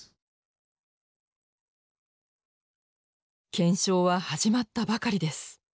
検証は始まったばかりです。